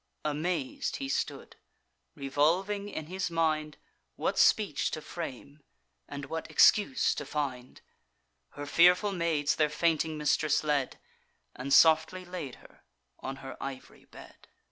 Amaz'd he stood, revolving in his mind What speech to frame, and what excuse to find. Her fearful maids their fainting mistress led, And softly laid her on her ivory bed.